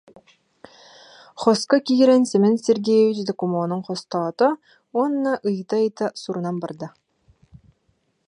Хоско киирэн Семен Сергеевич докумуонун хостоото уонна ыйыта-ыйыта сурунан барда: